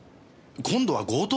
今度は強盗！？